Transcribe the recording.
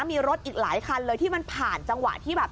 มีรถอีกหลายคันเลยที่มันผ่านจังหวะที่แบบ